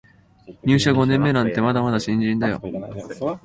入社五年目なんてまだまだ新人だよ